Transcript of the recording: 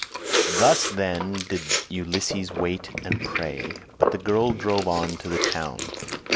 Thus, then, did Ulysses wait and pray; but the girl drove on to the town.